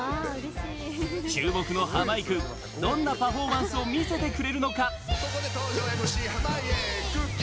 注目のハマいくどんなパフォーマンスを見せてくれるのか。